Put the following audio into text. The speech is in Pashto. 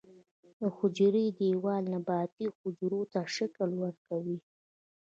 د حجرې دیوال نباتي حجرو ته شکل ورکوي